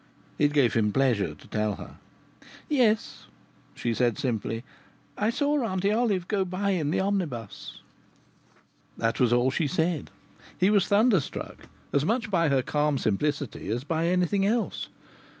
It gave him pleasure to tell her. "Yes," she said simply, "I saw Auntie Olive go by in the omnibus." That was all she said. He was thunderstruck, as much by her calm simplicity as by anything else.